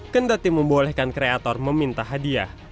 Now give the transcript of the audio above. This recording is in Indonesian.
kendati membolehkan kreator meminta hadiah